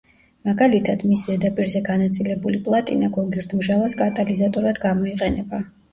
მაგალითად, მის ზედაპირზე განაწილებული პლატინა გოგირდმჟავას კატალიზატორად გამოიყენება.